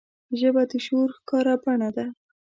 ژبه د شعور ښکاره بڼه ده